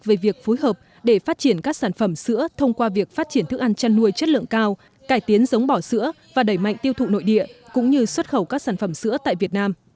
về việc phối hợp để phát triển các sản phẩm sữa thông qua việc phát triển thức ăn chăn nuôi chất lượng cao cải tiến giống bỏ sữa và đẩy mạnh tiêu thụ nội địa cũng như xuất khẩu các sản phẩm sữa tại việt nam